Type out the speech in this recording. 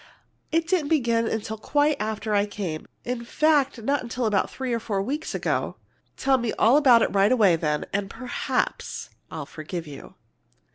It didn't begin till quite a while after I came; in fact, not till about three or four weeks ago." "Tell me all about it right away, then, and perhaps I'll forgive you!"